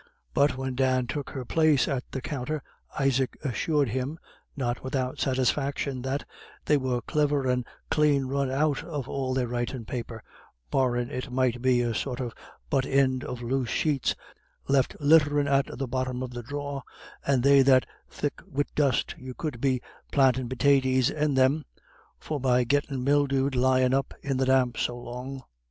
But when Dan took her place at the counter Isaac assured him, not without satisfaction, that "they were cliver and clane run out of all their writin' paper, barrin' it might be a sort of butt ind of loose sheets left litterin' at the bottom of the drawer, and they that thick wid dust you could be plantin' pitaties in them, forby gettin' mildewed lyin' up in the damp so long."